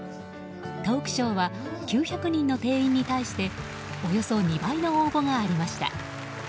トークショーは９００人の定員に対しておよそ２倍の応募がありました。